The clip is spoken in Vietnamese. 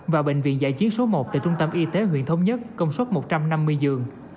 và bệnh viện giã chiến số một tại trung tâm y tế huyện thống nhất công suất một trăm năm mươi giường